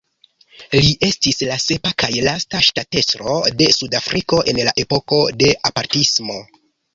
Li estis la sepa kaj lasta ŝtatestro de Sudafriko en la epoko de apartismo.